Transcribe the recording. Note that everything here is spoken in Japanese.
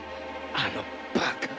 あのバカが！